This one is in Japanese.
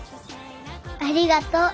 ありがとう。